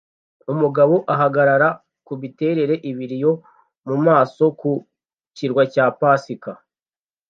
Umugabo ahagarara kumiterere ibiri yo mumaso ku kirwa cya pasika